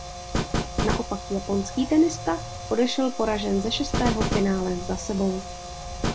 Naopak japonský tenista odešel poražen ze šestého finále za sebou.